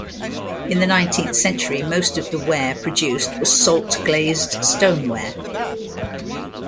In the nineteenth century most of the ware produced was salt-glazed stoneware.